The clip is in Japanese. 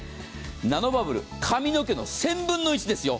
ナノバブル、髪の毛の１０００分の１ですよ。